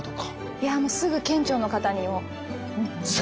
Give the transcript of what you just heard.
いやもうすぐ県庁の方に言おう。